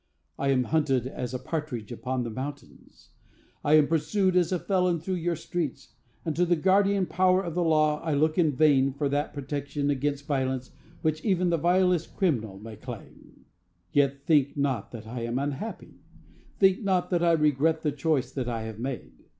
I am hunted as a partridge upon the mountains; I am pursued us a felon through your streets; and to the guardian power of the law I look in vain for that protection against violence which even the vilest criminal may claim. "Yet think not that I am unhappy. Think not that I regret the choice that I have made.